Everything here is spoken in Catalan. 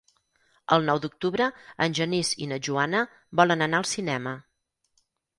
El nou d'octubre en Genís i na Joana volen anar al cinema.